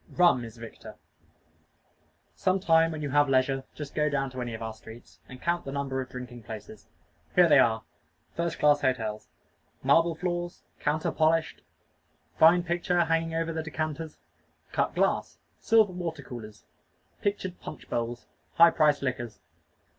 Rum is victor. Some time when you have leisure, just go down any of our streets, and count the number of drinking places. Here they are first class hotels. Marble floors. Counter polished. Fine picture hanging over the decanters. Cut glass. Silver water coolers. Pictured punch bowls. High priced liquors.